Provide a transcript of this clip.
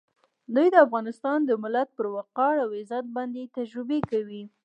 دوی د افغانستان د ملت پر وقار او عزت باندې تجربې کوي.